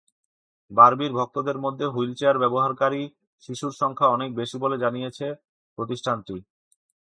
বার্বির ভক্তদের মধ্যে হুইলচেয়ার ব্যবহারকারী শিশুর সংখ্যা অনেক বেশি বলে জানিয়েছে প্রতিষ্ঠানটি।